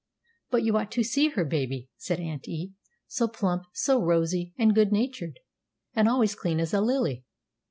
"But you ought to see her baby," said Aunt E.; "so plump, so rosy, and good natured, and always clean as a lily.